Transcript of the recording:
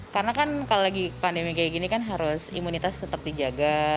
karena kan kalau lagi pandemi kayak gini kan harus imunitas tetap dijaga